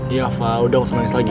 iya fah udah gak usah manis lagi ya